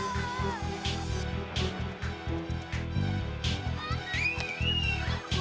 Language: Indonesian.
pasti nah paste